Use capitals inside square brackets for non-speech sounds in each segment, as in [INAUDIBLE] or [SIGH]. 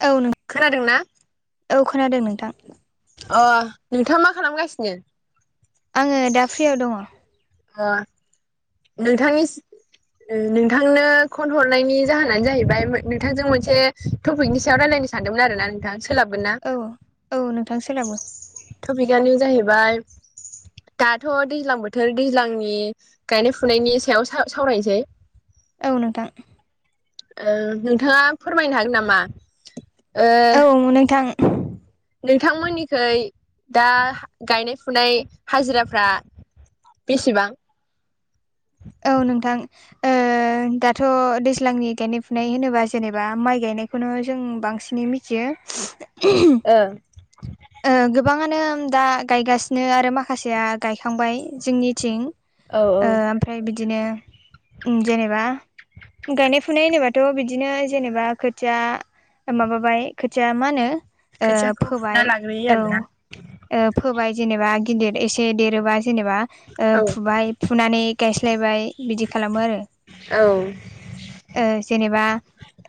औ खोनादों ना? औ खोनादों नोंथां। अ नोंथाङा मा खालामगासिनो? आङो दा फ्रियाव दङ। अ नोंथांनि नोंथांनो फन हरनायनि जाहोनानो जाहैबाय नोंथांजों मोनसे टपिकनि सायाव रायलायनो सानदोंमोन आरो ना नोंथां सोलाबगोनना? औ औ नोंथां सोलाबो। टपिकआनो जाहैबाय दाथ' दैज्लां बोथोर दैज्लांनि गायनाय फुनायनि सायाव साव सावरायनोसै। औ नोंथां। नोंथाङा फोरमायनो हागोन नामा ओ औ नोंथां। नोंथांमोननिखै दा गायनाय फुनाय हाजिराफ्रा बेसेबां? औ नोंथां ओ ओ दाथ' दैज्लांनि गायनाय फुनाय होनोबा जेनेबा माइ गायनायखौनो जों बांसिनै मि थियो। ओ ओ गोबाङानो दा गायगासिनो आरो माखासेया गायखांबाय जोंनिथिं। ओ औ ओमफ्राय बिदिनो जेनेबा गायनाय फुनाय होनोबाथ' बिदिनो जेनेबा खोथिया माबाबाय खोथिया मा होनो ओ फोबाय। बिदि औ आरोना। ओ फोबाय जेनेबा गिदिर एसे देरोबा जेनेबा ओ औ फुबाय फुनानै गायस्लायबाय बिदि खालामो आरो। औ ओ जेनेबा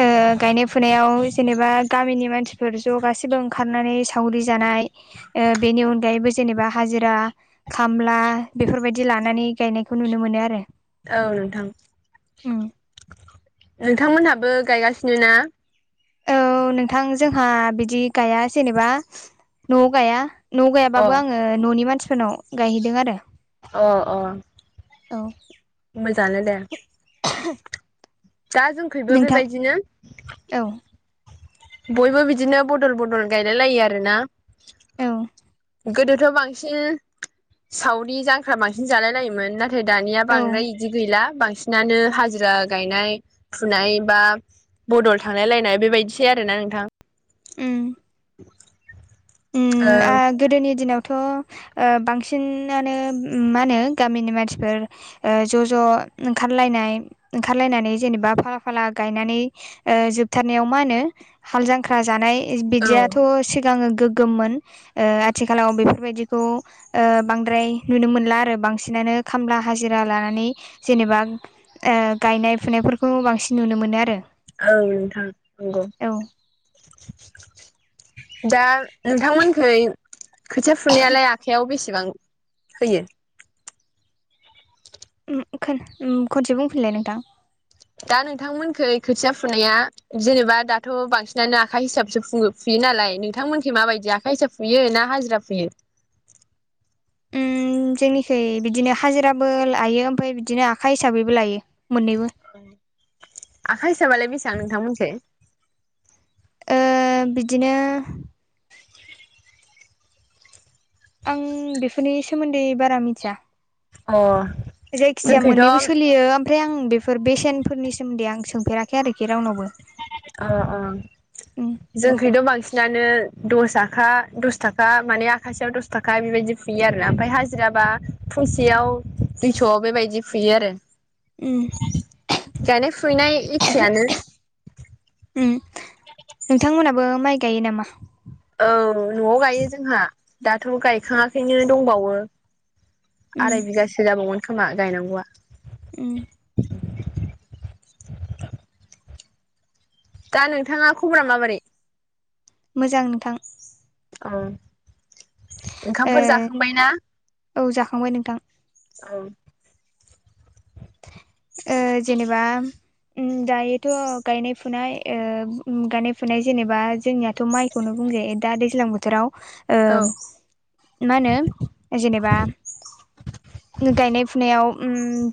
ओ गायनाय फुनायाव जेनेबा गामिनि मानसिफोर ज' गासैबो ओंखारनानै सावरि जानाय ओ बेनि अनगायैबो जेनेबा हाजिरा खामला बेफोरबायदि लानानै गायनायखौ नुनो मोनो आरो। औ नोंथां उम नोंथांमोनहाबो गायगासिनो ना? औ नोंथां जोंहा बिदि गाया जेनेबा न'आव गाया न'आव अ गायाबो आङो ओ न'नि मानसिफोरनाव गायहैदों आरो। अ अ औ मोजाङानो दे। दा जोंखैबो नोंथां बेबायदिनो। औ बयबो बिदिनो बदल बदल गायलाय लायो आरो ना। औ गोदोथ' बांसिन सावरि जांख्रा बांसिन जालाय लायोमोन ना थाय दानिया औ बांद्राय इदि गैला बांसिनानो हाजिरा गायनाय फुनाय बा बदल थांलायलायनाय बेबायदिसै आरो ना नोंथां। उम ओ उम आ गोदोनि दिनावथ' ओ बांसिनानो उम मा होनो गामिनि मानसिफोर ओ ज' ज' ओंखारलायनाय, ओंखारलायनानै जेनेबा फाला फाला गायनानै ओ जोबथारनायाव मा होनो? हाल जांख्रा जानाय औ बिदियाथ' सिगांङो गोग गोममोन। ओ आथिखालाव बेफोरबायदिखौ बांद्राय नुनो मोनला आरो बांसिनानो खामला हाजिरा लानानै जेनेबा ओ गायनाय फुनायफोरखौ बांसिन नुनो मोनो आरो। औ नोंथां नंगौ। औ दा नोंथांमोनखै खोथिया फुनायालाय आखाइयाव बेसेबां होयो? उम खन-खनसे बुंफिनलाय नोंथां। दा नोंथांमोनखै खोथिया फुनाया जेनेबा दाथ' बांसिनानो आखा हिसाबसो फु-फुयो नालाय नोंथांमोनखि माबायदि आखा हिसाब फुयो ना हाजिरा फुयो? उम जोंनिखै बिदिनो हाजिराबो लायो ओमफ्राय बिदिनो आखा हिसाबैबो लायो। मोननैबो। आखा हिसाबालाय बेसेबां नोंथां मोनखै? ओ बिदिनो आं बेफोरनि सोमोन्दै बारा मिथिया। आ। जायखिजाया मोन्नैबो सोलियो ओमफ्राय आं बेफोर बेसेनफोरनि सोमोन्दै आं सोंफेराखै आरोखि रावनावबो। अ' अ'। उम जोंखैथ' बांसिनानो दस आखा दस थाखा माने आखासेयाव दस थाखा बेबायदि फुयो आरोना, ओमफ्राय हाजिराबा फुंसेयाव दुइस' बेबायदि फुयो आरो। उम गायनाय फुनाय एखेयानो। उम। नोंथांमोनहाबो माइ गायो नामा? औ। न'आव गायो जोंहा दाथ' गायखाङाखैनो दंबावो। उम आराय बिगासो जाबावगोन खोमा गायनांगौआ। ओम। दा नोंथाङा खबरा माबोरै? मोजां नोंथां। अ'। ओंखामफोर ओ जाखांबाय ना? औ जाखांबाय नोंथां। औ। ओ जेनेबा दायोथ' गायनाय फुनाय ओ गायनाय फुनाय जेनेबा जोंनियाथ' माइ बेखौनो बुंजायो दा दैज्लां बोथोराव ओ औ मा होनो जेनेबा गायनाय फुनायाव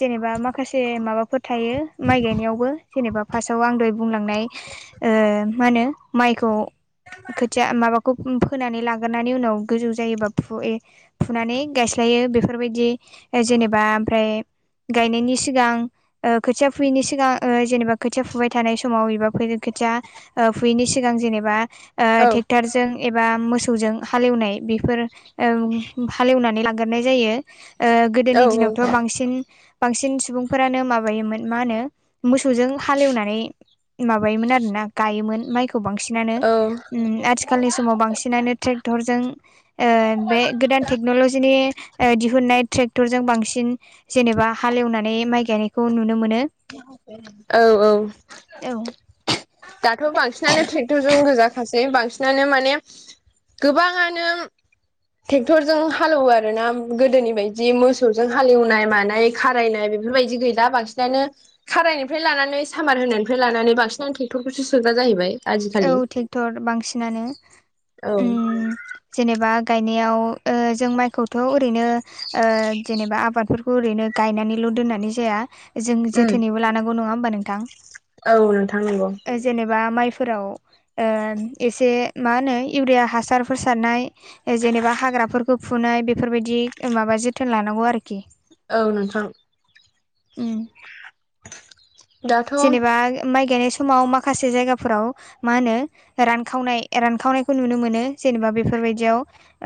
जेनेबा माखासे माबाफोर थायो माइ गायनायावबो जेनेबा फार्स्टाव आं दहाय बुंलांनाय ओ मा होनो माइखौ खोथिया मााबाखौ फोनानै लाग्रोनानै उनाव गोजौ जायोबा फुयो। फुनानै गायस्लायो बेफोरबायदि जेनेबा ओमफ्राय गायनायनि सिगां खोथिया फुयैनि सिगां ओ जेनेबा खोथिया फुबाय थानाय समाव एबा खोथिया ओ फुयैनि सिगां जेनेबा औ ट्रेक्टारजों एबा मोसौजों हालेवनाय बेफोर हालेवनानै ला गोरनाय जायो। ओ औ गोदोनि दिनावथ' बांसिन बांसिन सुबुंफोरानो माबायोमोन मा होनो? मोसौजों हालेवनानै माबायोमोन आरो ना गायोमोन माइखौ बांसिनानो। औ आथिखालनि समाव बांसिनानो ट्रेक टरजों ओ बे गोदान टेक्नलजिनि दिहुननाय ट्रेक्टरजों बांसिन जेनेबा हालेवनानै माइ गायनायखौ नुनो मोनो। औ औ। औ दाथ' बांसिनानो ट्रेक्टरजों गोजाखासै बांसिन नानो माने गोबाङानो ट्रेक्टरजों हालेवो आरो ना गोदोनि बायदि मोसौजों हालेवनाय मानाय खारायनाय बेफोरबायदि गैला बांसिनानो खाराइनिफ्राय लानानै सामार होनायनिफ्राय लानानै बांसिनानो ट्रेक्टरखौसो सोग्रा जाहैबाय। औ आजिखालि ट्रेक्टर बांसिनानो। औ उम जेनेबा गायनायाव जों माइखौथ' ओरैनो ओ जेनेबा आबादफोरखौ ओरैनो गायनानैल' दोननानै जाया। जों उम जोथोनैबो लानांगौ नङा होनबा नोंथां? औ नोंथां नंगौ। जेनेबा माइफोराव ओ एसे मा होनो इउरिया हासारफोर सारनाय ओ जेनेबा हाग्राफोरखौ फुनाय बेफोरबायदि माबा जोथोन लानांगौ आरोखि। औ नोंथां। उम। दाथ' औ जेनेबा माइ गायनाय समाव माखासे जायगाफोराव मा होनो? रानखावनाय-रानखावनायखौ नुनो मोनो। जेनेबा बेफोरबायदियाव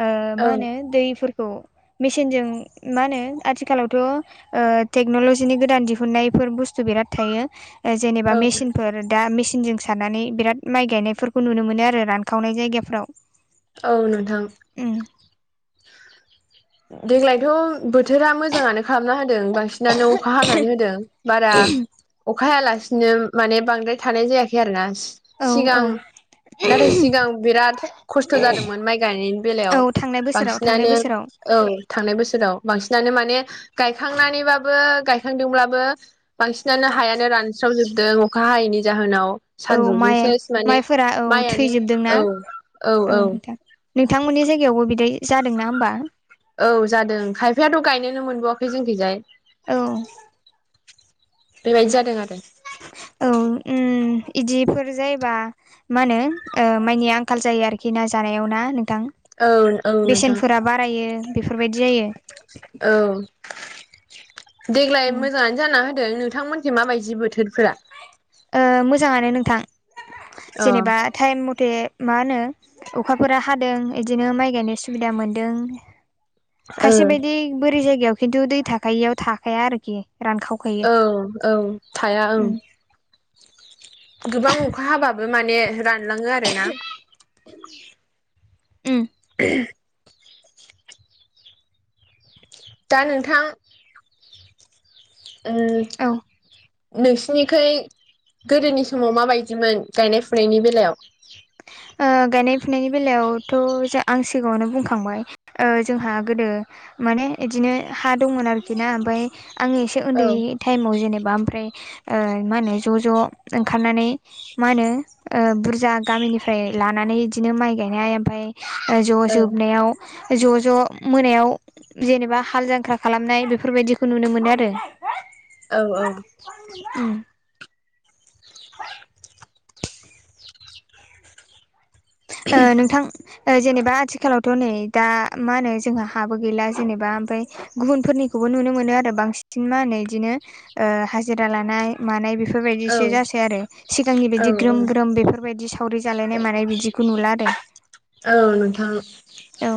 ओ मा होनो दैफोरखौ मेसिनजों मा होनो आथिखालावथ' ओ टेक्न'लजिनि गोदान दिहुनन्नायफोर बुस्थु बिराद थायो। जेनेबा औ मेसिनफोर दा मेचिनजों सारनानै बिराद माइ गायनायफोरखौ नुनो मोनो आरो रानखावनाय जायगाफोराव। औ नोंथां। देग्लायथ' बोथोरा मोजाङानो खालामना होदों बांसिन नानो अखा हानानै होदों। बारा अखाहायालासिनो माने बांद्राय थानाय जायाखै आरोना। औ औ सिगां, नाथाय सिगां बिराद खस्थ' जादोंमोन माइ गायनायनि औ बेलायाव थांनाय बोसोराव थांनाय बांसिनानो बोसोराव औ थांनाय बोसोराव बांसिनानो माने गायखांनानैबाबो गायखांदोंब्लाबो बांसिनानो हायानो रानस्रावजोबदों अखा हायैनि जाहोनाव। औ सान्दुंजों माइ सेस माने माइफोरा औ माइआनो थैजोबदोंना औ। औ औ। नोंथांमोननि जायगायावबो बिदै जादों ना होमबा? औ जादों। खायफायाथ' गायनोनो मोनबावआाखै जोंखैजाय। औ‌। बेबादि जादों आरो। औ उम इदिफोर जायोबा मा होनो ओ माइनि आंखाल जायो आरोखि ना जानायाव ना? नों थां औ औ नोंथां बेसेनफोरा बारायो बेफोरबायदि जायो। औ। देग्लाय उम मोजाङानो जाना हो दों। नोंथांमोनखै माबायदि बोथोरफोरा? ओ मोजाङानो नोंथां। अ जेनेबा टाइम मथे मा होनो अखाफोरा हादों। बिदिनो माइ गायनो सुबिदा मोन्दों। ओ खायसे बायदि बोरै जायगायाव खिन्थु दै थाखायियाव थाखाया आरोखि रानखाव औ औ। थाया ओं। गोबां अखा हाबाबो माने रानलाङो आरो ना? उम। [UNINTELLIGIBLE] दा नोंथां ओ औ नोंसिनिखै गोदोनि समाव माबायदिमोन? गायनाय फुनायनि बेलायाव? ओ गायनाय फुनायनि बेलायावथ' आं सिगाङावनो बुंखांबाय। ओ जोंहा गोदो माने बिदिनो हा दंमोन आरोखि ना ओमफ्राय आं एसे औ उन्दै टाइमाव जेनेबा ओमफ्राय ओ मा होनो ज' ज' ओंखारनानै मा होनो ओ बुरजा गामिनिफ्राय फाय लानानै बिदिनो माइ गायनाय ओमफ्राय ज' औ जोबनायाव ज' ज' मोनायाव जेनेबा हाल जांख्रा खालामनाय बेफोरबायदिखौ नुनो मोनो आरो। औ औ। उम। ओ नोंथां ओ जेनेबा आथिखालावथ' नै दा मा होनो जोंहा हाबो गैला जेनेबा ओमफ्राय गुबुनफोरनिखौबो नुनो मोनो आरो बांसिन मा होनो बिदिनो ओ हाजिरा लानाय मानाय बे औ बेफोरबायदिसो जासै आरो सिगांनि बायदि औ ग्रोम ग्रोम बेफोरबायदि सावरि जालायनाय मानाय बिदि खौ नुला आरो। औ नोंथां। औ।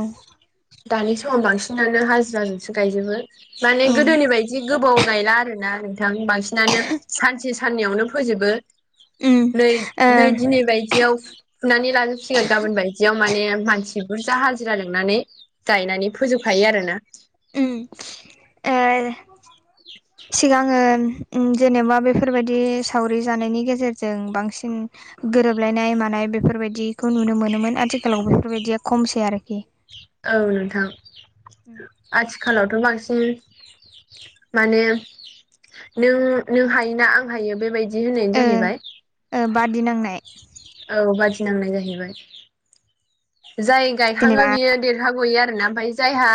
दानि समाव बांसिनानो हाजिराजोंसो गायजोबो। माने औ गोदोनि बाय दि गोबाव गायला आरो ना नोंथां? बांसिनानो सानसे साननैयावनो फोजोबो उम नै ओ नै दिनै बायदियाव फुनानै लाजोबसिगोन गाबोन बायदियाव माने मानसि बुरजा हाजिरा लोंनानै गायनानै फोजोबखायो आरोना। उम। ओ सिगाङो उम जेनेबा बेफोरबायदि सावरि जानायनि गेजेरजों बांसिन गोरोबलायनाय मानाय बेफोरबायदिखौ नुनो मोनोमोन आथिखालाव बेफोरबायदिया खमसै आरोखि। औ नोंथां। उम। आथिखालावथ' बांसिन माने नों नों हायो ना आं हायो बेबायदि होननायनि ओ जाहैबाय। ओ बादि नांनाय। औ बादिनांनाय जाहैबाय। जाय गायखाङो जेनेबा बियो देरहागयो आरोना ओमफ्राय जायहा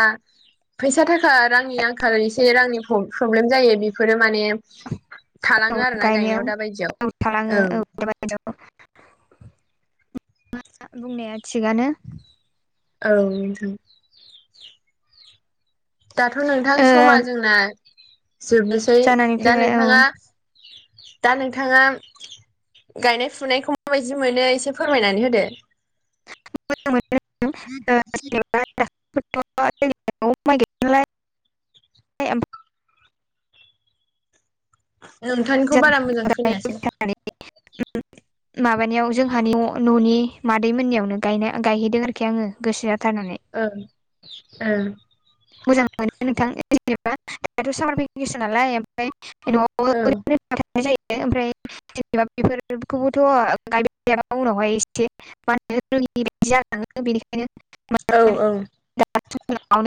फैसा थाखा‌ रांनि आंखाल एसे रांनि प्र-प्रब्लेम जायो बेफोरो माने थालाङो आरो ना गायनायाव दा औ थालाङो बायदियाव औ। [UNINTELLIGIBLE] नोंथाङा बुंनाया थिगानो। औ नोंथां। दाथ' नोंथां ओ समा जोंना जोबनोसै, जानानै दा फैबाय औ नोंथाङा दा नोंथाङा गायनाय फुनायखौ माबायदि मोनो एसे फोरमायनानै होदो। [UNINTELLIGIBLE] [UNINTELLIGIBLE] नोंथांनिखौ बारा मोजां खोनायासै। [UNINTELLIGIBLE] माबानायाव जोंहानि न'नि मादै मोननियावनो गायनो गायहैदों आरोखि आङो गोसो जाथारनानै ओं ओ। मोजां मोनो नोंथां जेनेबा दाथ' सामार भेकेसन नालाय ओमफ्राय न'आवबो ओं नाय जायो ओमफ्राय जेनेबा बेफोरखौबोथ' गायबायथायाबा उनावहाय एसे औ औ [UNINTELLIGIBLE]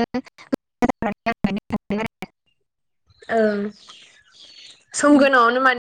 [UNINTELLIGIBLE] औ उम समगोनांआवनो माने